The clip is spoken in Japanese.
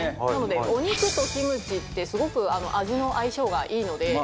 なのでお肉とキムチってすごく味の相性がいいので。